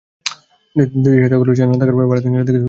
দেশে এতগুলো চ্যানেল থাকার পরও ভারতীয় চ্যানেলের দিকে সবাই ঝুঁকে আছে।